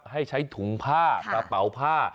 ให้ใช้ถุงผ้ากระเป๋าผ้า